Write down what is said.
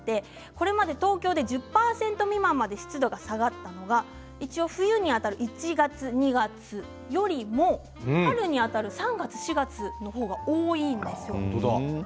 これまで東京で１０％未満まで湿度が下がったのは一応、冬にあたる１月２月よりも春にあたる３月４月の方が多いんです。